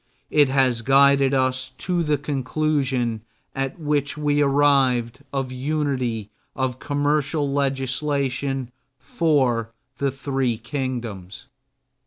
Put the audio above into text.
It has guided us to the conclusion at which we arrived of unity of commercial legislation for the three kingdoms.